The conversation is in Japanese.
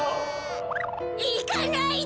いかないで！